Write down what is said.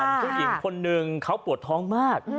ผู้หญิงคนหนึ่งเขาปวดท้องมาก